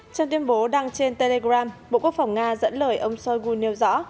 trong tuyên bố đăng trên telegram bộ quốc phòng nga dẫn lời ông shoigu nêu rõ